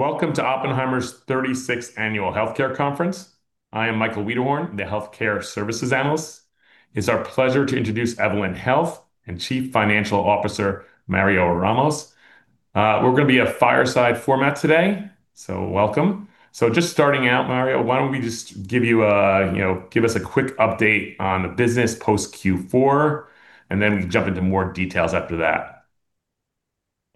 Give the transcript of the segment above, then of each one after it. Welcome to Oppenheimer's 36th Annual Healthcare Conference. I am Michael Wiederhorn, the Healthcare Services Analyst. It's our pleasure to introduce Evolent Health and Chief Financial Officer Mario Ramos. We're gonna be a fireside format today, so welcome. Just starting out, Mario, why don't we just give you a you know, give us a quick update on the business post Q4, and then we can jump into more details after that.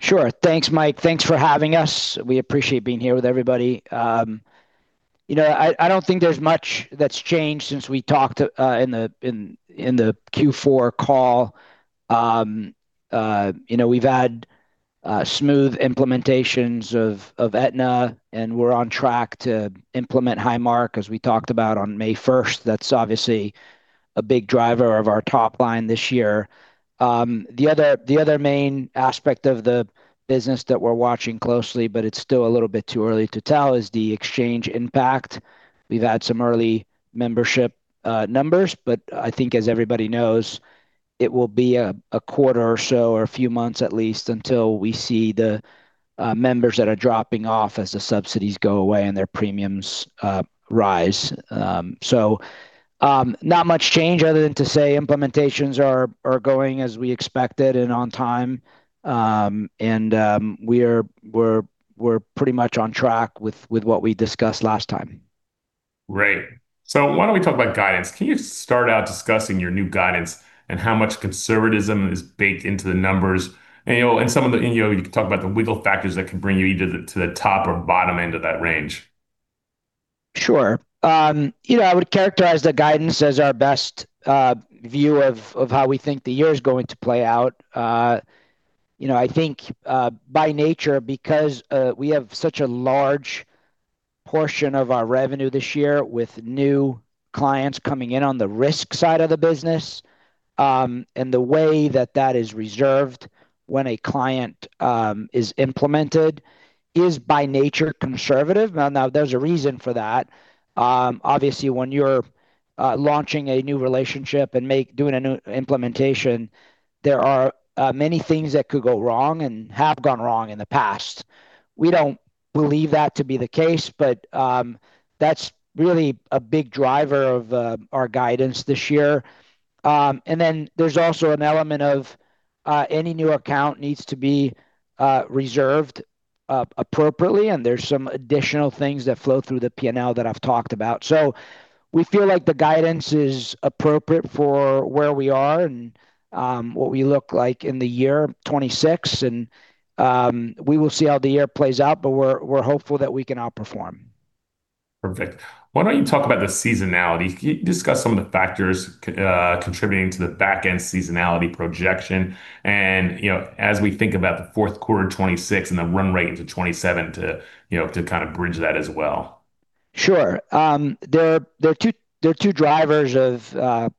Sure. Thanks, Mike. Thanks for having us. We appreciate being here with everybody. You know, I don't think there's much that's changed since we talked in the Q4 call. You know, we've had smooth implementations of Aetna, and we're on track to implement Highmark, as we talked about on May first. That's obviously a big driver of our top line this year. The other main aspect of the business that we're watching closely, but it's still a little bit too early to tell, is the exchange impact. We've had some early membership numbers, but I think as everybody knows, it will be a quarter or so or a few months at least until we see the members that are dropping off as the subsidies go away and their premiums rise. Not much change other than to say implementations are going as we expected and on time. We're pretty much on track with what we discussed last time. Great. Why don't we talk about guidance? Can you start out discussing your new guidance and how much conservatism is baked into the numbers? You know, you can talk about the wiggle factors that could bring you either to the top or bottom end of that range. Sure. You know, I would characterize the guidance as our best view of how we think the year's going to play out. You know, I think by nature, because we have such a large portion of our revenue this year with new clients coming in on the risk side of the business, and the way that is reserved when a client is implemented is by nature conservative. Now there's a reason for that. Obviously, when you're launching a new relationship and doing a new implementation, there are many things that could go wrong and have gone wrong in the past. We don't believe that to be the case, but that's really a big driver of our guidance this year. Then there's also an element of any new account needs to be reserved appropriately, and there's some additional things that flow through the P&L that I've talked about. We feel like the guidance is appropriate for where we are and what we look like in the year 2026. We will see how the year plays out, but we're hopeful that we can outperform. Perfect. Why don't you talk about the seasonality? Can you discuss some of the factors contributing to the back end seasonality projection and, you know, as we think about the fourth quarter 2026 and the run rate into 2027 to, you know, to kind of bridge that as well? Sure. There are two drivers of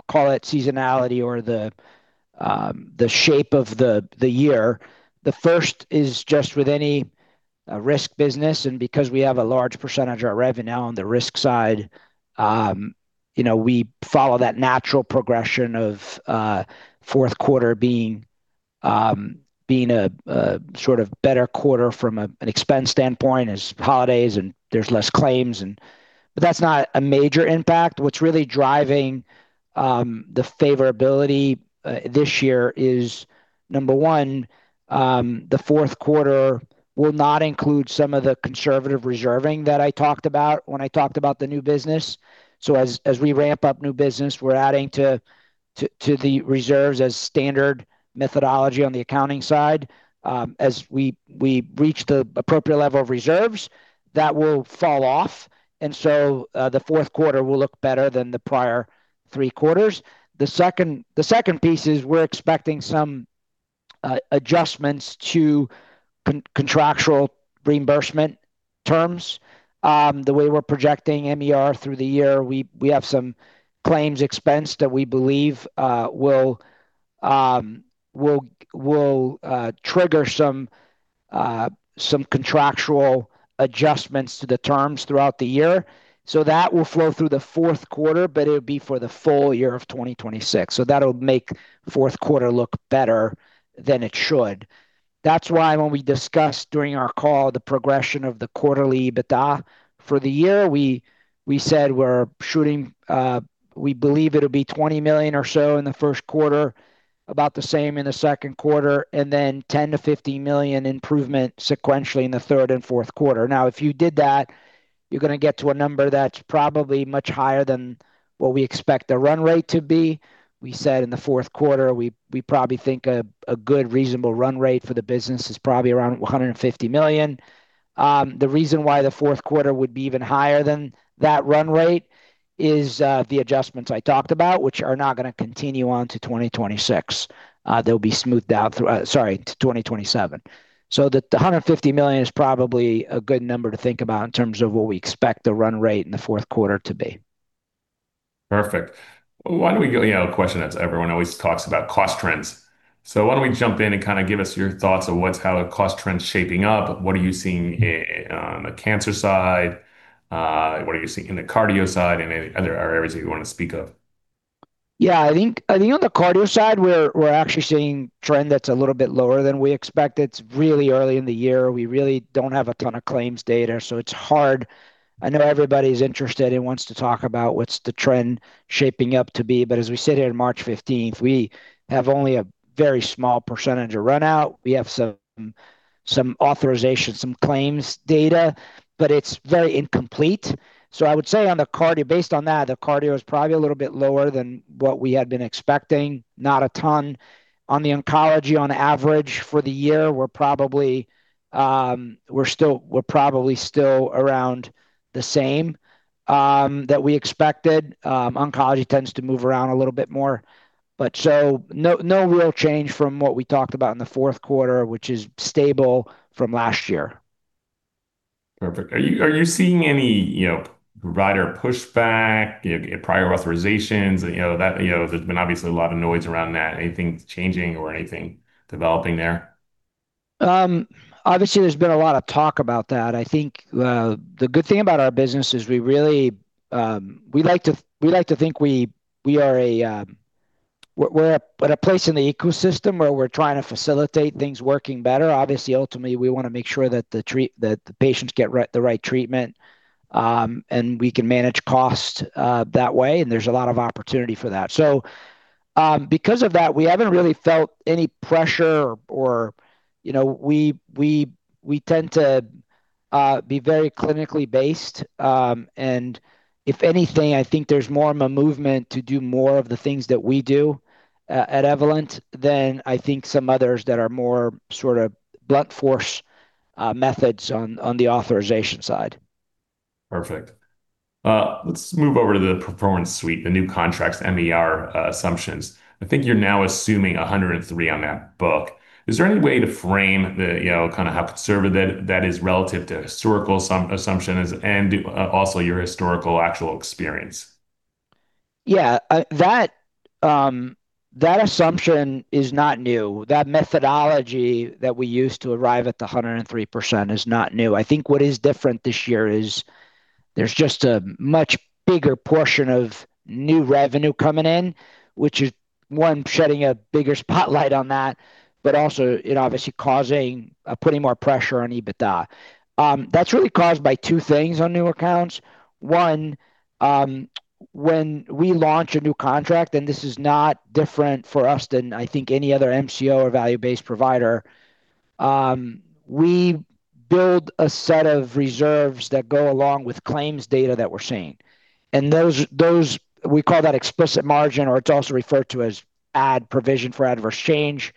call it seasonality or the shape of the year. The first is just with any risk business, and because we have a large percentage of our revenue on the risk side, you know, we follow that natural progression of fourth quarter being a sort of better quarter from an expense standpoint as holidays and there's less claims. That's not a major impact. What's really driving the favorability this year is, number one, the fourth quarter will not include some of the conservative reserving that I talked about when I talked about the new business. As we ramp up new business, we're adding to the reserves as standard methodology on the accounting side. As we reach the appropriate level of reserves, that will fall off. The fourth quarter will look better than the prior three quarters. The second piece is we're expecting some adjustments to contractual reimbursement terms. The way we're projecting MER through the year, we have some claims expense that we believe will trigger some contractual adjustments to the terms throughout the year. That will flow through the fourth quarter, but it would be for the full-year of 2026. That'll make fourth quarter look better than it should. That's why when we discussed during our call the progression of the quarterly EBITDA for the year, we said we're shooting, we believe it'll be $20 million or so in the first quarter, about the same in the second quarter, and then $10 million-$50 million improvement sequentially in the third and fourth quarter. Now, if you did that, you're gonna get to a number that's probably much higher than what we expect the run rate to be. We said in the fourth quarter, we probably think a good reasonable run rate for the business is probably around $150 million. The reason why the fourth quarter would be even higher than that run rate is the adjustments I talked about, which are not gonna continue on to 2026. They'll be smoothed out through, sorry, to 2027. The $150 million is probably a good number to think about in terms of what we expect the run rate in the fourth quarter to be. Perfect. Why don't we go, you know, a question that everyone always talks about, cost trends. Why don't we jump in and kind of give us your thoughts on how the cost trend's shaping up. What are you seeing in the cancer side? What are you seeing in the cardio side and any other areas that you want to speak of? Yeah, I think on the cardio side, we're actually seeing trend that's a little bit lower than we expected. It's really early in the year. We really don't have a ton of claims data, so it's hard. I know everybody's interested and wants to talk about what's the trend shaping up to be, but as we sit here on March 15th, we have only a very small percentage of run out. We have some authorization, some claims data, but it's very incomplete. I would say on the cardio, based on that, the cardio is probably a little bit lower than what we had been expecting. Not a ton. On the oncology, on average for the year, we're probably still around the same that we expected. Oncology tends to move around a little bit more. No real change from what we talked about in the fourth quarter, which is stable from last year. Perfect. Are you seeing any, you know, provider pushback, prior authorizations? You know, that, you know, there's been obviously a lot of noise around that. Anything changing or anything developing there? Obviously there's been a lot of talk about that. I think the good thing about our business is we really like to think we are a place in the ecosystem where we're trying to facilitate things working better. Obviously, ultimately, we wanna make sure that the patients get the right treatment, and we can manage cost that way, and there's a lot of opportunity for that. Because of that, we haven't really felt any pressure or, you know, we tend to be very clinically based, and if anything, I think there's more of a movement to do more of the things that we do at Evolent than I think some others that are more sort of blunt force methods on the authorization side. Perfect. Let's move over to the Performance Suite, the new contracts, MER assumptions. I think you're now assuming 103% on that book. Is there any way to frame the, you know, kinda how conservative that is relative to historical assumptions and also your historical actual experience? Yeah. That assumption is not new. That methodology that we use to arrive at the 103% is not new. I think what is different this year is there's just a much bigger portion of new revenue coming in, which is one, shedding a bigger spotlight on that, but also it obviously putting more pressure on EBITDA. That's really caused by two things on new accounts. One, when we launch a new contract, and this is not different for us than I think any other MCO or value-based provider, we build a set of reserves that go along with claims data that we're seeing. Those we call that explicit margin, or it's also referred to as provision for adverse change.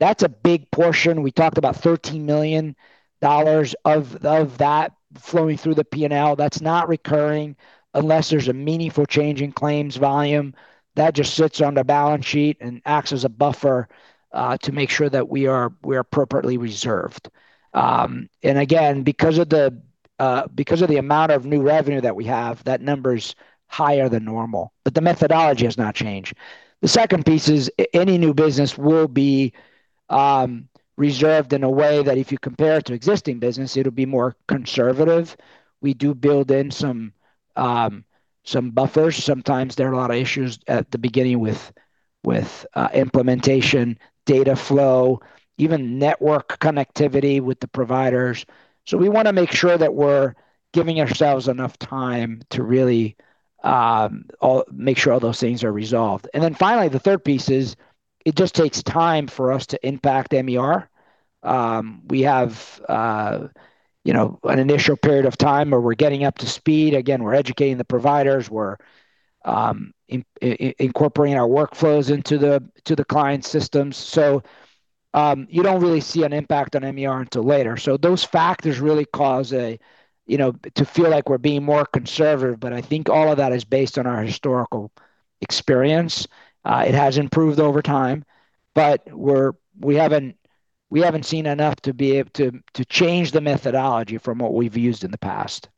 That's a big portion. We talked about $13 million of that flowing through the P&L. That's not recurring unless there's a meaningful change in claims volume. That just sits on the balance sheet and acts as a buffer to make sure that we are appropriately reserved. Again, because of the amount of new revenue that we have, that number's higher than normal, but the methodology has not changed. The second piece is any new business will be reserved in a way that if you compare it to existing business, it'll be more conservative. We do build in some buffers. Sometimes there are a lot of issues at the beginning with implementation, data flow, even network connectivity with the providers. We wanna make sure that we're giving ourselves enough time to really make sure all those things are resolved. Finally, the third piece is that it just takes time for us to impact MER. We have, you know, an initial period of time where we're getting up to speed. Again, we're educating the providers. We're incorporating our workflows into the client systems. You don't really see an impact on MER until later. Those factors really cause us, you know, to feel like we're being more conservative, but I think all of that is based on our historical experience. It has improved over time, but we haven't seen enough to be able to change the methodology from what we've used in the past.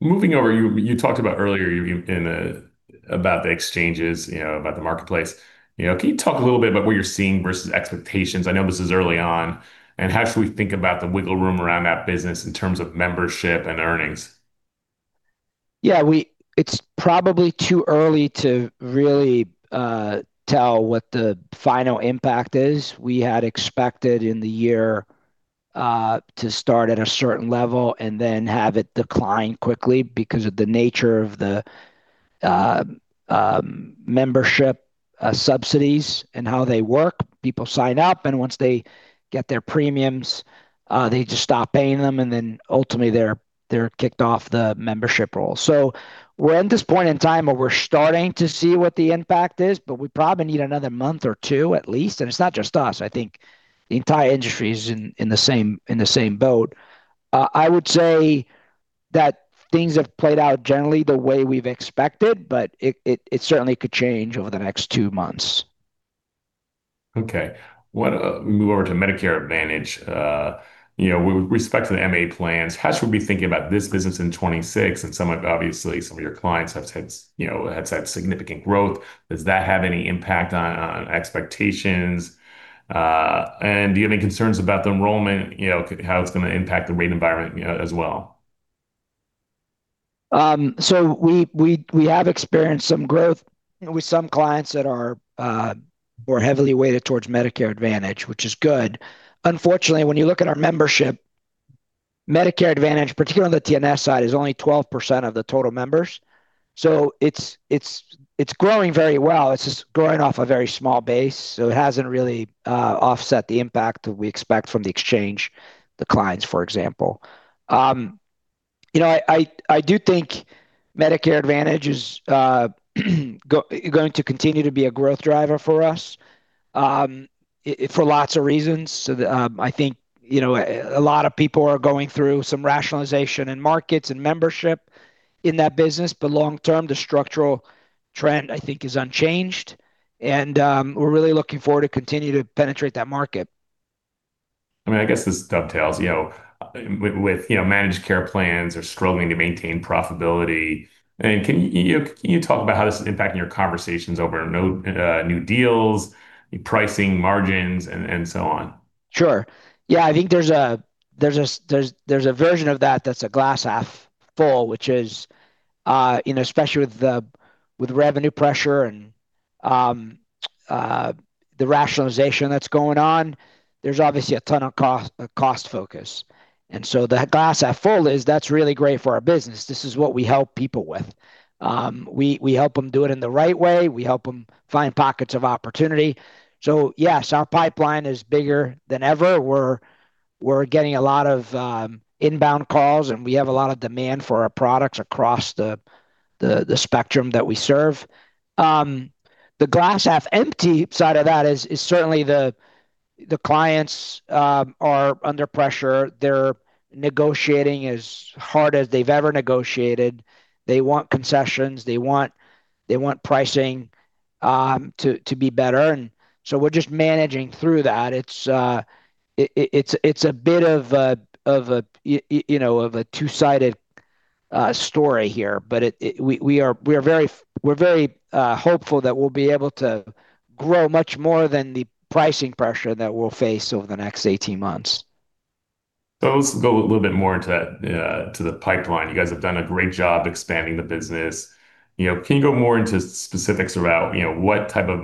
Moving over, you talked about earlier about the exchanges, you know, about the marketplace. You know, can you talk a little bit about what you're seeing versus expectations? I know this is early on. How should we think about the wiggle room around that business in terms of membership and earnings? Yeah, it's probably too early to really tell what the final impact is. We had expected in the year to start at a certain level and then have it decline quickly because of the nature of the membership subsidies and how they work. People sign up, and once they get their premiums, they just stop paying them, and then ultimately they're kicked off the membership roll. We're at this point in time where we're starting to see what the impact is, but we probably need another month or two at least. It's not just us. I think the entire industry is in the same boat. I would say that things have played out generally the way we've expected, but it certainly could change over the next two months. Okay. Wanna move over to Medicare Advantage. You know, with respect to the MA plans, how should we be thinking about this business in 2026? Obviously, some of your clients have had, you know, have had significant growth. Does that have any impact on expectations? Do you have any concerns about the enrollment, you know, how it's gonna impact the rate environment, you know, as well? We have experienced some growth with some clients that are more heavily weighted towards Medicare Advantage, which is good. Unfortunately, when you look at our membership, Medicare Advantage, particularly on the TNS side, is only 12% of the total members. It's growing very well. It's just growing off a very small base, so it hasn't really offset the impact that we expect from the exchange declines, for example. You know, I do think Medicare Advantage is going to continue to be a growth driver for us for lots of reasons. I think, you know, a lot of people are going through some rationalization in markets and membership in that business. Long-term, the structural trend, I think, is unchanged and we're really looking forward to continue to penetrate that market. I mean, I guess this dovetails, you know, with you know, managed care plans are struggling to maintain profitability. Can you talk about how this is impacting your conversations over new deals, pricing margins and so on? Sure. Yeah, I think there's a version of that that's a glass half full, which is, especially with the revenue pressure and the rationalization that's going on, there's obviously a ton of cost focus. The glass half full is that's really great for our business. This is what we help people with. We help them do it in the right way. We help them find pockets of opportunity. Yes, our pipeline is bigger than ever. We're getting a lot of inbound calls, and we have a lot of demand for our products across the spectrum that we serve. The glass half empty side of that is certainly the clients are under pressure. They're negotiating as hard as they've ever negotiated. They want concessions. They want pricing to be better. We're just managing through that. It's a bit of a you know of a two-sided story here. We're very hopeful that we'll be able to grow much more than the pricing pressure that we'll face over the next 18 months. Let's go a little bit more into the pipeline. You guys have done a great job expanding the business. You know, can you go more into specifics about, you know, what type of,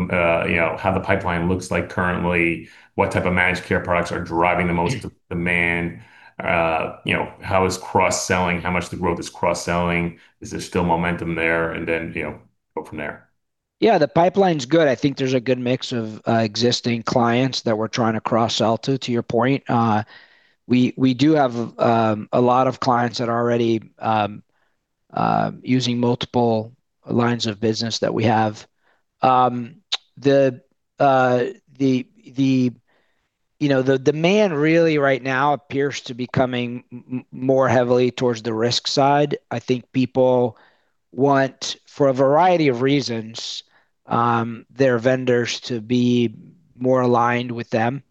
you know, how the pipeline looks like currently, what type of managed care products are driving the most demand? You know, how is cross-selling, how much the growth is cross-selling? Is there still momentum there? You know, go from there. Yeah, the pipeline's good. I think there's a good mix of existing clients that we're trying to cross-sell to your point. We do have a lot of clients that are already using multiple lines of business that we have. You know, the demand really right now appears to be coming more heavily towards the risk side. I think people want, for a variety of reasons, their vendors to be more aligned with them,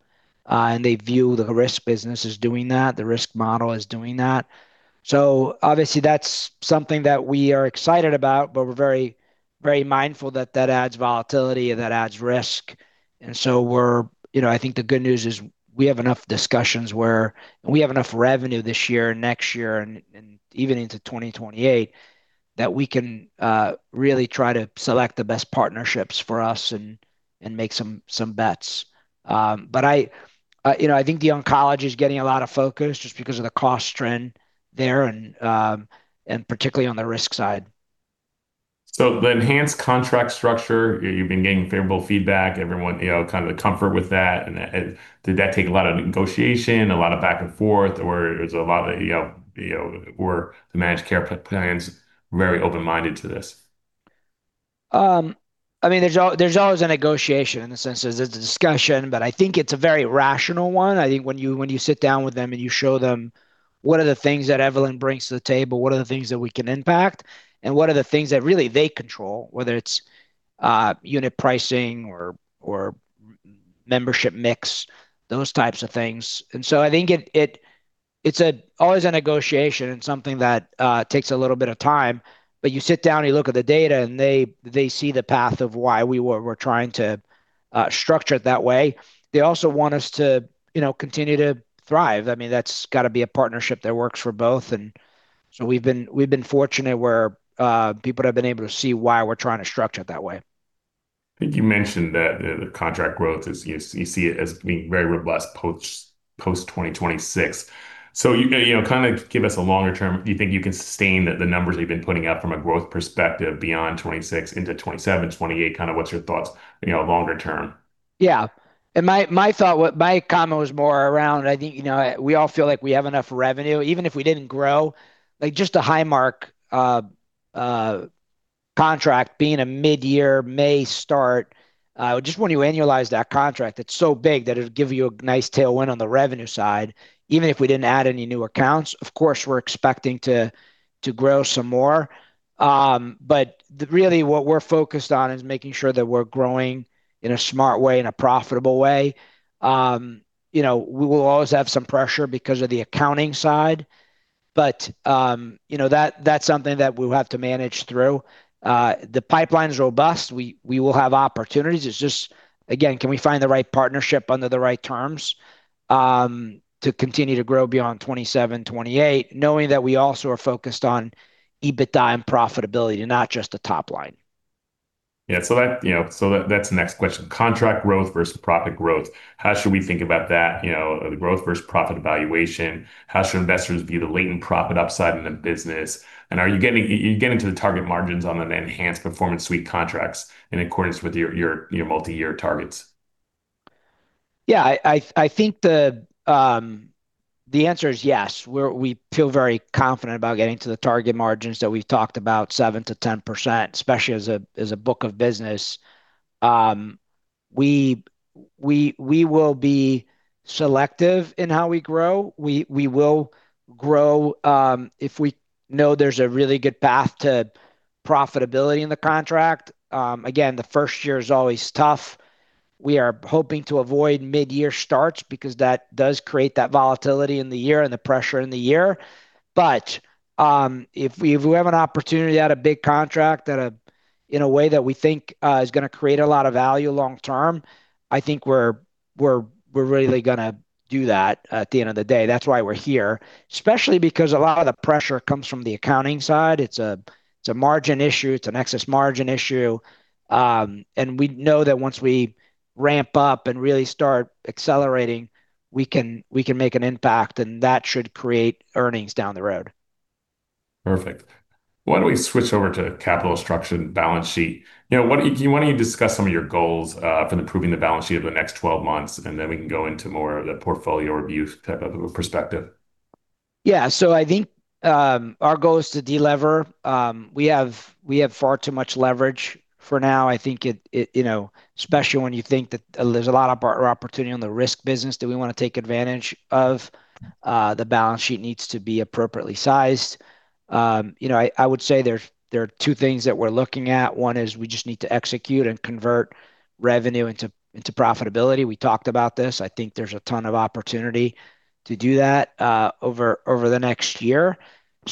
and they view the risk business as doing that, the risk model as doing that. Obviously, that's something that we are excited about, but we're very, very mindful that that adds volatility and that adds risk. You know, I think the good news is we have enough discussions where we have enough revenue this year and next year and even into 2028 that we can really try to select the best partnerships for us and make some bets. I, you know, I think the oncology is getting a lot of focus just because of the cost trend there and particularly on the risk side. The enhanced contract structure, you've been getting favorable feedback. Everyone, you know, kind of a comfort with that. Did that take a lot of negotiation, a lot of back and forth, or was a lot of, you know, were the managed care plans very open-minded to this? I mean, there's always a negotiation in the sense there's a discussion, but I think it's a very rational one. I think when you sit down with them and you show them what are the things that Evolent brings to the table, what are the things that we can impact, and what are the things that really they control, whether it's unit pricing or membership mix, those types of things. I think it's always a negotiation and something that takes a little bit of time. You sit down, you look at the data, and they see the path of why we're trying to structure it that way. They also want us to continue to thrive. I mean, that's gotta be a partnership that works for both. We've been fortunate where people have been able to see why we're trying to structure it that way. I think you mentioned that the contract growth is, you see it as being very robust post 2026. You know, kinda give us a longer term. Do you think you can sustain the numbers you've been putting up from a growth perspective beyond 2026 into 2027, 2028? Kinda what's your thoughts, you know, longer term? Yeah. My comment was more around, I think, you know, we all feel like we have enough revenue. Even if we didn't grow, like just a Highmark contract being a mid-year May start, just when you annualize that contract, it's so big that it'll give you a nice tailwind on the revenue side, even if we didn't add any new accounts. Of course, we're expecting to grow some more. Really what we're focused on is making sure that we're growing in a smart way, in a profitable way. You know, we will always have some pressure because of the accounting side. You know, that's something that we'll have to manage through. The pipeline is robust. We will have opportunities. It's just, again, can we find the right partnership under the right terms, to continue to grow beyond 2027, 2028, knowing that we also are focused on EBITDA and profitability and not just the topline? Yeah. That, you know, that's the next question. Contract growth versus profit growth. How should we think about that? You know, the growth versus profit evaluation. How should investors view the latent profit upside in the business? And are you getting to the target margins on Enhanced Performance Suite contracts in accordance with your multi-year targets? Yeah. I think the answer is yes. We feel very confident about getting to the target margins that we've talked about 7%-10%, especially as a book of business. We will be selective in how we grow. We will grow if we know there's a really good path to profitability in the contract. Again, the first year is always tough. We are hoping to avoid mid-year starts because that does create that volatility in the year and the pressure in the year. If we have an opportunity at a big contract that in a way that we think is gonna create a lot of value long-term, I think we're really gonna do that at the end of the day. That's why we're here. Especially because a lot of the pressure comes from the accounting side. It's a margin issue, it's an excess margin issue. We know that once we ramp up and really start accelerating, we can make an impact, and that should create earnings down the road. Perfect. Why don't we switch over to capital structure and balance sheet? You know, do you wanna discuss some of your goals for improving the balance sheet over the next 12 months, and then we can go into more of the portfolio review type of a perspective? Yeah. I think our goal is to delever. We have far too much leverage for now. I think it you know, especially when you think that there's a lot of opportunity on the risk business that we wanna take advantage of, the balance sheet needs to be appropriately sized. You know, I would say there are two things that we're looking at. One is we just need to execute and convert revenue into profitability. We talked about this. I think there's a ton of opportunity to do that over the next year.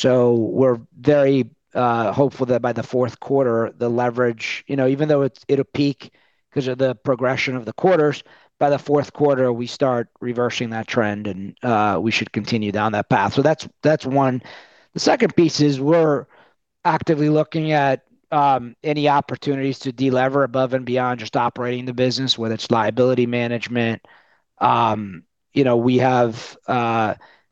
We're very hopeful that by the fourth quarter, the leverage you know, even though it'll peak 'cause of the progression of the quarters, by the fourth quarter, we start reversing that trend and we should continue down that path. That's one. The second piece is we're actively looking at any opportunities to delever above and beyond just operating the business, whether it's liability management. You know, we have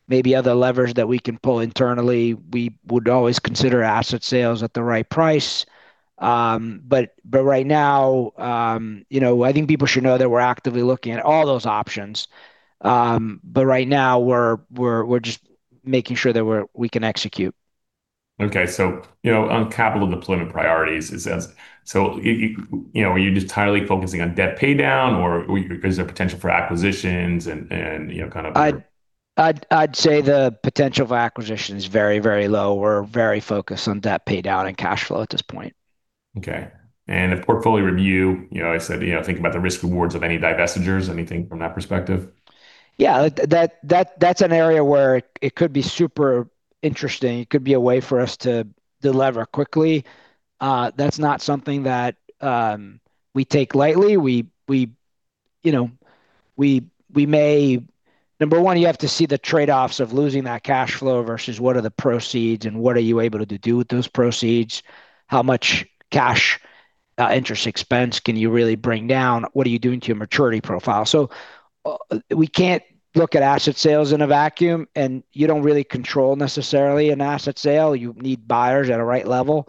maybe other levers that we can pull internally. We would always consider asset sales at the right price. Right now, you know, I think people should know that we're actively looking at all those options. Right now we're just making sure that we can execute. Okay. You know, on capital deployment priorities, are you just entirely focusing on debt pay down, or is there potential for acquisitions and, you know, kind of your- I'd say the potential for acquisition is very, very low. We're very focused on debt pay down and cash flow at this point. Okay. A portfolio review. You know, I said, you know, think about the risk rewards of any divestitures, anything from that perspective. Yeah. That's an area where it could be super interesting. It could be a way for us to delever quickly. That's not something that we take lightly. You know, number one, you have to see the trade-offs of losing that cash flow versus what are the proceeds and what are you able to do with those proceeds? How much cash interest expense can you really bring down? What are you doing to your maturity profile? We can't look at asset sales in a vacuum, and you don't really control necessarily an asset sale. You need buyers at a right level.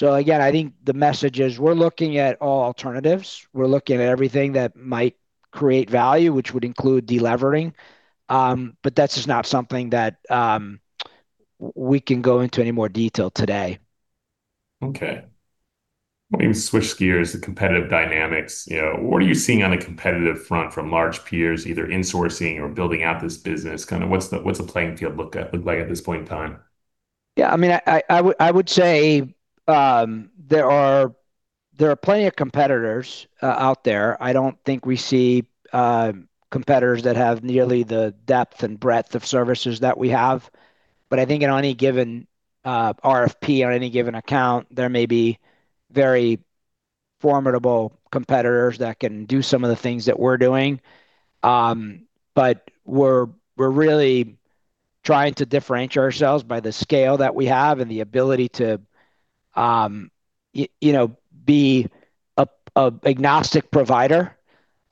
Again, I think the message is we're looking at all alternatives. We're looking at everything that might create value, which would include delevering. That's just not something that we can go into any more detail today. Okay. Let me switch gears to competitive dynamics. You know, what are you seeing on a competitive front from large peers, either insourcing or building out this business? Kinda what's the playing field look like at this point in time? Yeah. I mean, I would say there are plenty of competitors out there. I don't think we see competitors that have nearly the depth and breadth of services that we have. I think in any given RFP or any given account, there may be very formidable competitors that can do some of the things that we're doing. We're really trying to differentiate ourselves by the scale that we have and the ability to you know, be a agnostic provider.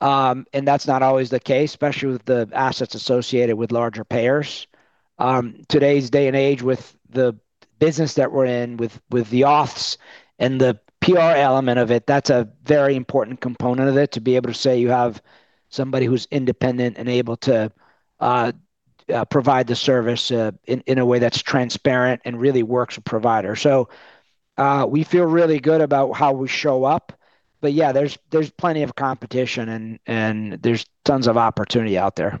That's not always the case, especially with the assets associated with larger payers. Today's day and age with the business that we're in, with the auths and the PR element of it, that's a very important component of it, to be able to say you have somebody who's independent and able to provide the service in a way that's transparent and really works with provider. We feel really good about how we show up. Yeah, there's plenty of competition and there's tons of opportunity out there.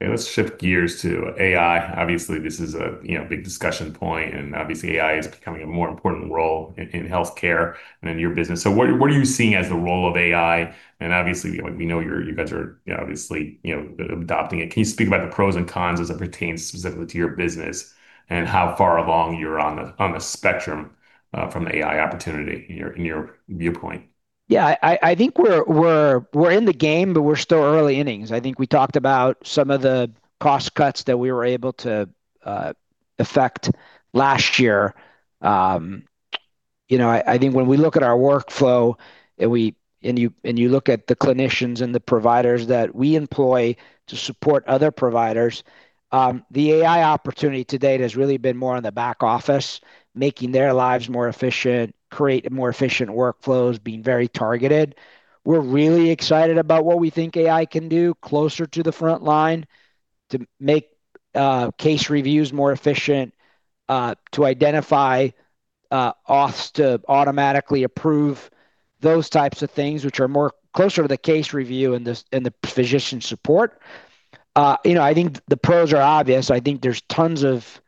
Let's shift gears to AI. Obviously, this is a, you know, big discussion point, and obviously AI is becoming a more important role in healthcare and in your business. What are you seeing as the role of AI? Obviously, we know you guys are obviously, you know, adopting it. Can you speak about the pros and cons as it pertains specifically to your business and how far along you're on the spectrum of AI opportunity in your viewpoint? Yeah. I think we're in the game, but we're still early innings. I think we talked about some of the cost cuts that we were able to effect last year, you know, I think when we look at our workflow and you look at the clinicians and the providers that we employ to support other providers, the AI opportunity to date has really been more on the back office, making their lives more efficient, create more efficient workflows, being very targeted. We're really excited about what we think AI can do closer to the front line to make case reviews more efficient, to identify auths to automatically approve those types of things which are more closer to the case review and the physician support. You know, I think the pros are obvious. I think there's tons of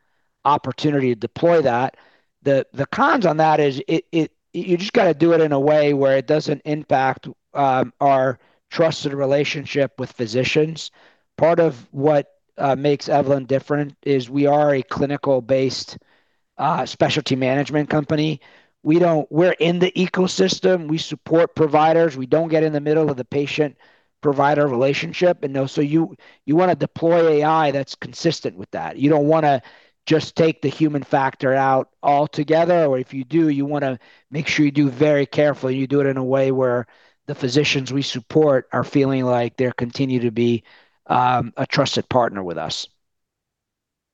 opportunity to deploy that. The cons on that is it you just gotta do it in a way where it doesn't impact our trusted relationship with physicians. Part of what makes Evolent different is we are a clinical-based specialty management company. We're in the ecosystem. We support providers. We don't get in the middle of the patient-provider relationship. You wanna deploy AI that's consistent with that. You don't wanna just take the human factor out altogether, or if you do, you wanna make sure you do it very carefully, and you do it in a way where the physicians we support are feeling like they continue to be a trusted partner with us.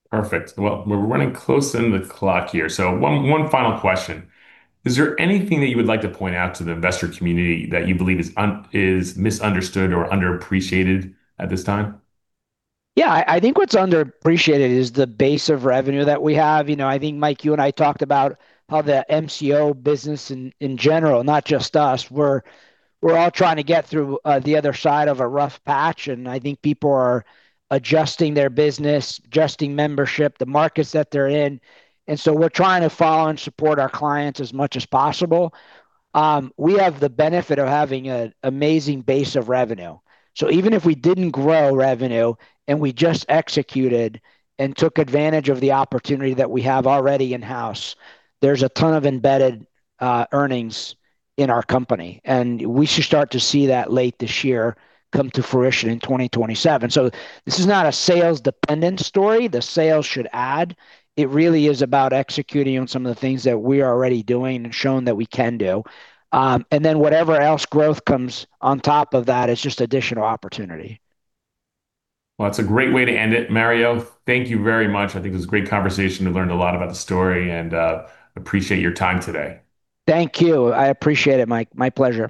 Perfect. Well, we're running close to the clock here, so one final question. Is there anything that you would like to point out to the investor community that you believe is misunderstood or underappreciated at this time? Yeah. I think what's underappreciated is the base of revenue that we have. You know, I think, Mike, you and I talked about how the MCO business in general, not just us, we're all trying to get through the other side of a rough patch. I think people are adjusting their business, adjusting membership, the markets that they're in, and so we're trying to follow and support our clients as much as possible. We have the benefit of having an amazing base of revenue. Even if we didn't grow revenue and we just executed and took advantage of the opportunity that we have already in-house, there's a ton of embedded earnings in our company, and we should start to see that late this year come to first in 2027. This is not a sales-dependent story. The sales should add. It really is about executing on some of the things that we are already doing and shown that we can do. Whatever else growth comes on top of that is just additional opportunity. Well, it's a great way to end it, Mario. Thank you very much. I think it was a great conversation. I learned a lot about the story, and appreciate your time today. Thank you. I appreciate it, Mike. My pleasure.